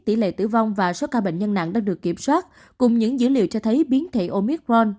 tỷ lệ tử vong và số ca bệnh nhân nặng đang được kiểm soát cùng những dữ liệu cho thấy biến thể omicron